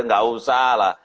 gak usah lah